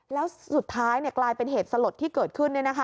แล้วสุดท้ายกลายเป็นเหตุสลดที่เกิดขึ้น